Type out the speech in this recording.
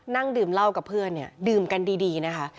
นั่งดื่มเหล้ากับเพื่อนเนี่ยดื่มกันดีนะคะ